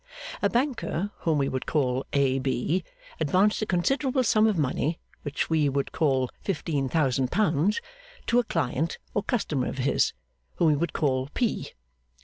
A banker, whom we would call A. B., advanced a considerable sum of money, which we would call fifteen thousand pounds, to a client or customer of his, whom he would call P.